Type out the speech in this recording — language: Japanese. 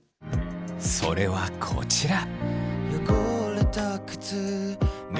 それはこちら。